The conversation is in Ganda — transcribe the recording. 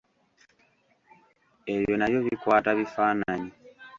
Ebyo nabyo bikwata bifaananyi.